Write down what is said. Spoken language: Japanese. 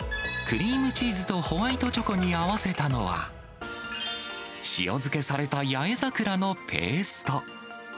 クリームチーズとホワイトチョコに合わせたのは、塩漬けされた八重桜のペースト。